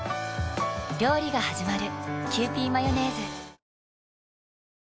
料理がはじまる。